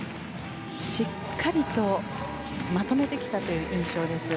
しっかりとまとめてきたという印象です。